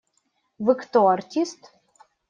Вы кто? Артист?